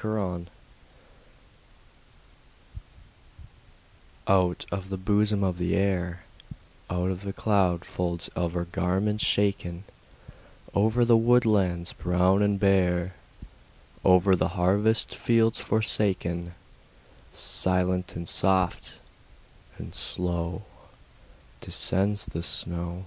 SNOW FLAKES Out of the bosom of the Air, Out of the cloud folds of her garments shaken, Over the woodlands brown and bare, Over the harvest fields forsaken, Silent, and soft, and slow Descends the snow.